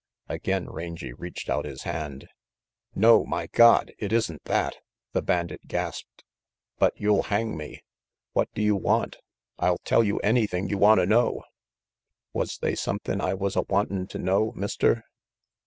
Again Rangy reached out his hand. "No, my God, it isn't that," the bandit gasped, "but you'll hang me. What do you want? I'll tell you anything you wanta know." "Was they somethin' I was a wantin' to know, Mister?"